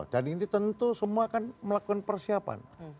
dan ini tentu semua akan melakukan persiapan